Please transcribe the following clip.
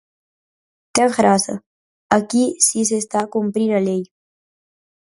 Ten graza, aquí si se está a cumprir a lei.